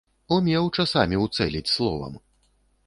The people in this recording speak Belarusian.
Умеў часамі ўцэліць словам!